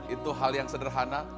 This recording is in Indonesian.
itu hal yang sederhana